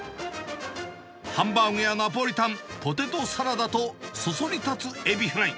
ハンバーグやナポリタン、ポテトサラダと、そそり立つエビフライ。